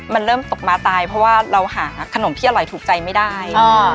มันเริ่มตกม้าตายเพราะว่าเราหาขนมที่อร่อยถูกใจไม่ได้